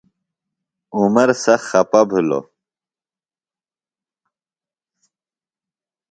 عمر سخت خپہ بھِلوۡ۔